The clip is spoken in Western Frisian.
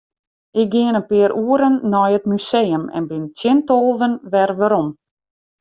Ik gean in pear oeren nei it museum en bin tsjin tolven wer werom.